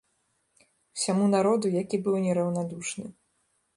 Усяму народу, які быў нераўнадушны.